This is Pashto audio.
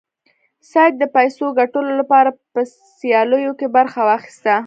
سید د پیسو ګټلو لپاره په سیالیو کې برخه واخیسته.